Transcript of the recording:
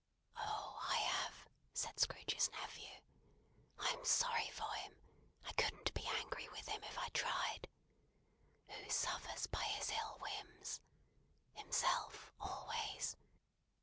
"Oh, I have!" said Scrooge's nephew. "I am sorry for him; I couldn't be angry with him if I tried. Who suffers by his ill whims! Himself, always.